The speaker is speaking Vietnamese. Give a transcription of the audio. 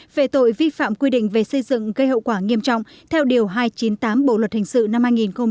về tội vi phạm quy định về xây dựng gây hậu quả nghiêm trọng theo điều hai trăm chín mươi tám bộ luật hình sự năm hai nghìn một mươi năm